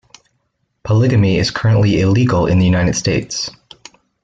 Polygamy is currently illegal in the United States.